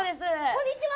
こんにちは